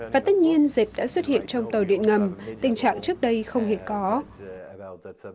và tất nhiên dẹp đã xuất hiện trong tàu điện ngầm tình trạng trước đây không hề có